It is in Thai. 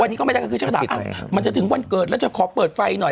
วันนี้ก็ไม่ได้ก็คือฉันก็ด่ามันจะถึงวันเกิดแล้วจะขอเปิดไฟหน่อย